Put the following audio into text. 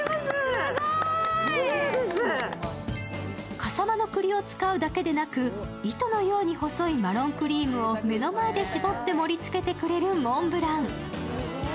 笠間のくりを使うだけでなく、糸のように細いマロンクリームを目の前で絞って盛りつけてくれるモンブラン。